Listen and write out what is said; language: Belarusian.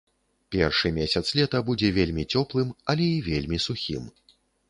Першы месяц лета будзе вельмі цёплым, але і вельмі сухім.